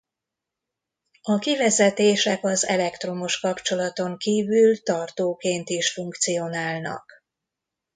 A kivezetések az elektromos kapcsolaton kívül tartóként is funkcionálnak.